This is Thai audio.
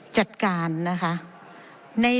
จัดการนะคะ